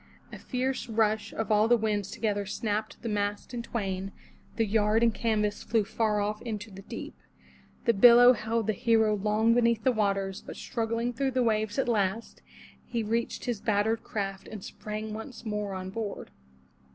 A fierce rush of all the winds together snapped the mast in twain; the yard and canvas flew far off into the deep. The billow held the hero long beneath the waters, but struggling through the waves at last, he reached his battered craft and sprang once more on board.